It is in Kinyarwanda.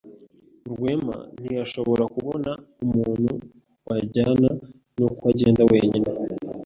Rwema ntiyashoboye kubona umuntu wajyana, nuko agenda wenyine.